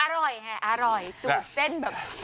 อร่อยแหละอร่อยจูบเส้นแบบ